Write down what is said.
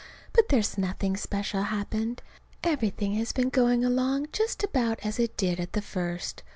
But there's nothing special happened. Everything has been going along just about as it did at the first.